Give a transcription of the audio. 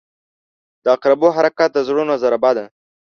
• د عقربو حرکت د زړونو ضربه ده.